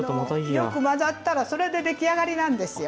よく混ざったらそれで出来上がりなんですよ。